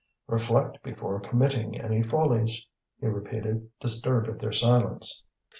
"Reflect before committing any follies," he repeated, disturbed at their silence.